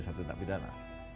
satu tindak pidana